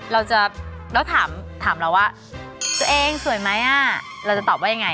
แล้วถามเราว่าตัวเองสวยไหมเราจะตอบว่าอย่างไร